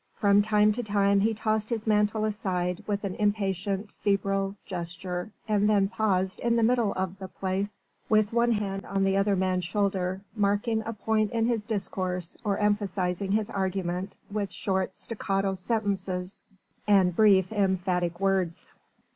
From time to time he tossed his mantle aside with an impatient, febrile gesture and then paused in the middle of the Place, with one hand on the other man's shoulder, marking a point in his discourse or emphasising his argument with short staccato sentences and brief, emphatic words.